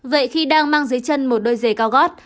vậy khi đang mang dưới chân một đôi dề cao gót